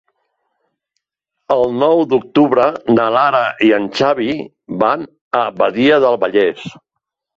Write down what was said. El nou d'octubre na Lara i en Xavi van a Badia del Vallès.